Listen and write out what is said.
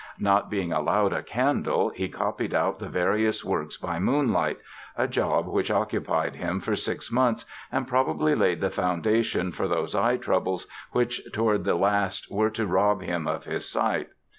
Not being allowed a candle he copied out the various works by moonlight, a job which occupied him for six months and probably laid the foundation for those eye troubles which toward the last were to rob him of his sight.